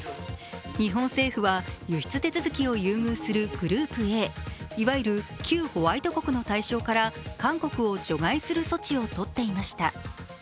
日本政府は輸出手続きを優遇するグループＡ、いわゆる旧ホワイト国の対象から韓国を除外する措置を取っていました。